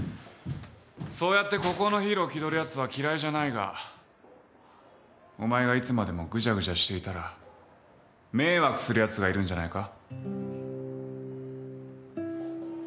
そうやって孤高のヒーローを気取るやつは嫌いじゃないがお前がいつまでもぐじゃぐじゃしていたら迷惑するやつがいるんじゃないか？